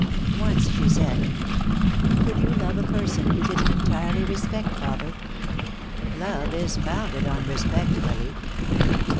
Once she said: "Could you love a person you didn't entirely respect, father?" "Love is founded on respect, Lily."